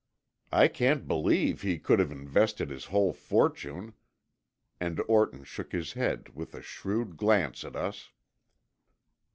I can't believe he could have invested his whole fortune," and Orton shook his head with a shrewd glance at us.